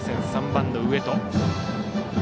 ３番の植戸。